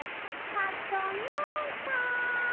「ファッションモンスター」